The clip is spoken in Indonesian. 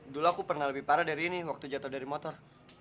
dulu aku pernah lebih parah dari ini waktu jatuh dari motor